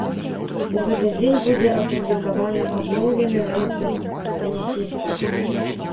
У гэты дзень будзе апублікаваны абноўлены рэйтынг тэнісістак.